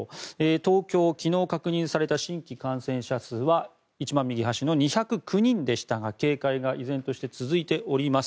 東京、昨日確認された新規感染者数は一番右端の２０９人でしたが警戒が依然として続いております。